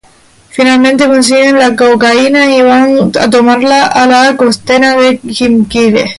Finalmente consiguen la cocaína y van a tomarla a la costanera de Quilmes.